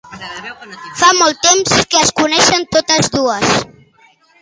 Fa molt temps que es coneixen totes dues?